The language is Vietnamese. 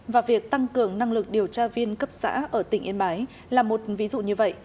và việc tăng cường năng lực điều tra viên cấp xã ở tỉnh yên bái là một ví dụ như vậy